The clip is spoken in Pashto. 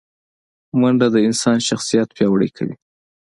منډه د انسان شخصیت پیاوړی کوي